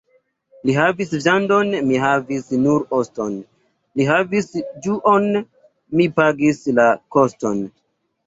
Li havis viandon, mi havis nur oston — li havis la ĝuon, mi pagis la koston.